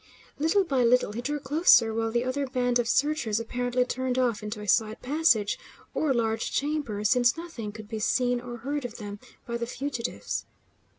Little by little he drew closer, while the other band of searchers apparently turned off into a side passage, or large chamber, since nothing could be seen or heard of them by the fugitives.